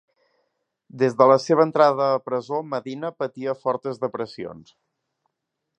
Des de la seva entrada a presó Medina patia fortes depressions.